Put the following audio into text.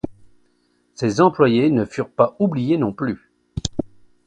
Ses employés ne furent pas oubliés non plus.